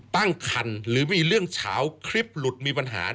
ตั้งคันหรือมีเรื่องเฉาคลิปหลุดมีปัญหา